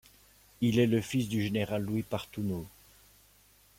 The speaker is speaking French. Il est le fils du général Louis Partouneaux.